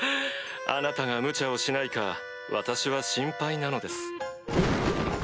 あなたがむちゃをしないか私は心配なのです。